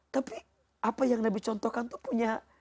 tapi apa yang nabi contohkan tuh punya